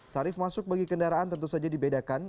tarif masuk bagi kendaraan tentu saja dibedakan